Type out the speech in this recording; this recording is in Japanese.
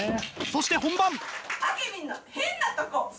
そして本番！